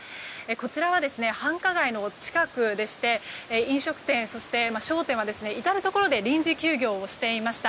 こちらは、繁華街の近くでして飲食店、そして商店は至るところで臨時休業をしていました。